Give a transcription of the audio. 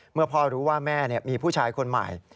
เมื่อพ่อรู้ว่าแม่มีผู้ชายคนใหม่